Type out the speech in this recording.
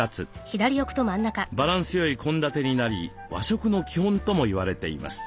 バランスよい献立になり和食の基本とも言われています。